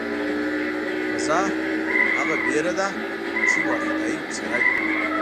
فذع هغه وېره ده چې وارخطایی ورسره وي.